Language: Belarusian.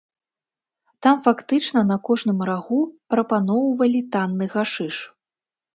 Там фактычна на кожным рагу прапаноўвалі танны гашыш.